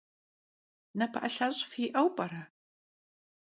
Nape'elheş' fi'eu p'ere?